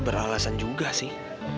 beralasan juga sih